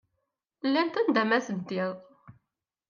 Llant anda ma teddid!